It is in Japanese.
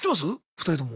２人とも。